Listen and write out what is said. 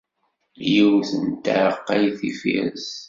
Yiwet n taaqqayt ifires.